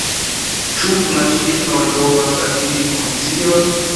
Ĉu maŝinoj povas atingi konscion?